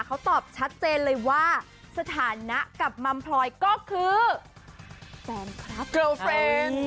เขาตอบชัดเจนเลยว่าสถานะกับมัมพลอยก็คือแฟนคลับเกลเฟรนด์